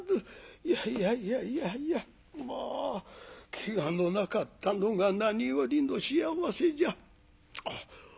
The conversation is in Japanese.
いやいやいやいやいやまあけがのなかったのが何よりの幸せじゃ。